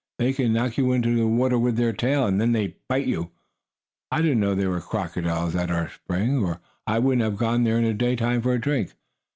They can knock you into the water with their tail, and then they bite you. I didn't know there were crocodiles at our spring, or I wouldn't have gone there in the daytime for a drink.